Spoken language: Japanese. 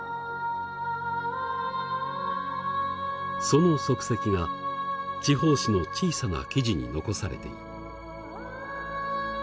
その足跡が地方紙の小さな記事に残されている。